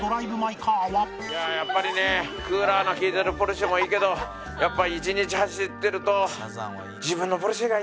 いややっぱりねクーラーの利いてるポルシェもいいけどやっぱ一日走ってると自分のポルシェがいいな。